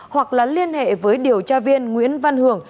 hoặc là liên hệ với điều tra viên nguyễn văn hưởng